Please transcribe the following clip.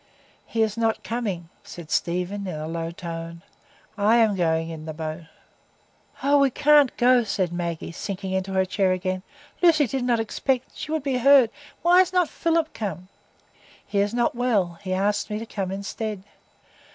"He is not coming," said Stephen, in a low tone. "I am going in the boat." "Oh, we can't go," said Maggie, sinking into her chair again. "Lucy did not expect—she would be hurt. Why is not Philip come?" "He is not well; he asked me to come instead."